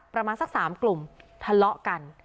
ประมาณสัก๓กลุ่มทะเลาะกัน